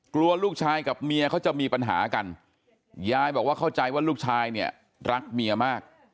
กลัวลูกชายกับเมียเขาจะมีปัญหากันยายบอกว่าเข้าใจว่าลูกชายเนี่ยรักเมียมาก